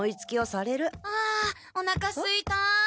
ああおなかすいた。